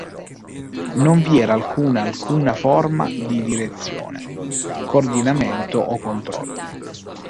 Non vi era alcuna alcuna forma di direzione, coordinamento o controllo.